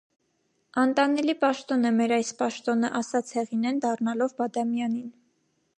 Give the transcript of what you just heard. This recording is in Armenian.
- Անտանելի պաշտոն է մեր այս պաշտոնը,- ասաց Հեղինեն, դառնալով Բադամյանին: